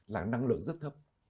là năng lượng rất thấp